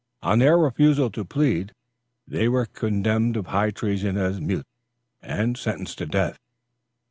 On their refusal to plead, they were condemned of high treason as mutes, and sentenced to death.